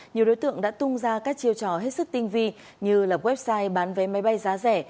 nhiều đối tượng đã tung ra các chiêu trò hết sức tinh vi như website bán vé máy bay giá rẻ